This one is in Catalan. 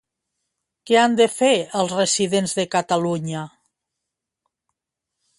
Què han de fer els residents de Catalunya?